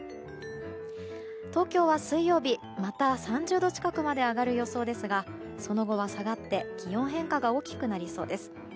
東京は水曜日また３０度近くまで上がる予想ですがその後は下がって気温変化が大きくなりそうです。